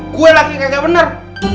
gue laki yang kagak bener